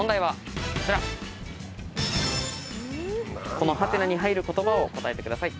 この「？」に入る言葉を答えてください。